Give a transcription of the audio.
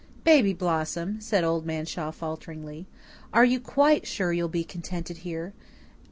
"Baby Blossom," said Old Man Shaw falteringly, "are you quite sure you'll be contented here?